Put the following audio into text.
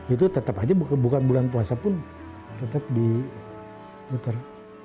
itu tetap aja bukan bulan puasa pun tetap diputer